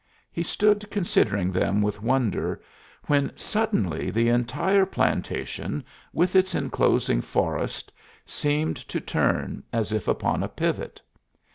He stood considering them with wonder, when suddenly the entire plantation, with its inclosing forest, seemed to turn as if upon a pivot.